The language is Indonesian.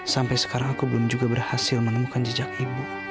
sampai sekarang aku belum juga berhasil menemukan jejak ibu